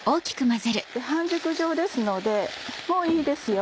半熟状ですのでもういいですよ